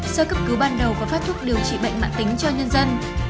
sơ cấp cứu ban đầu và phát thuốc điều trị bệnh mạng tính cho nhân dân